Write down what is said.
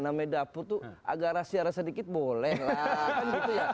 namanya dapur tuh agar rasih rasih sedikit boleh lah